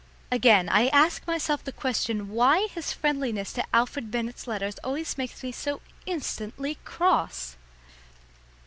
Again I ask myself the question why his friendliness to Alfred Bennett's letters always makes me so instantly cross.